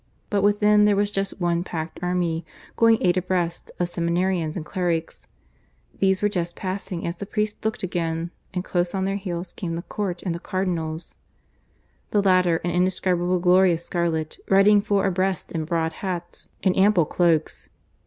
But within there was just one packed army, going eight abreast, of seminarians and clerics. These were just passing as the priest looked again, and close on their heels came the Court and the Cardinals; the latter an indescribable glory of scarlet, riding four abreast in broad hats and ample cloaks.